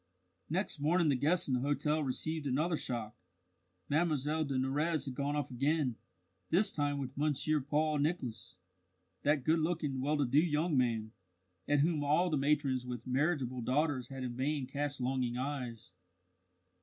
Next morning the guests in the hotel received another shock. Mlle de Nurrez had gone off again this time with Monsieur Paul Nicholas that good looking, well to do young man, at whom all the matrons with marriageable daughters had in vain cast longing eyes.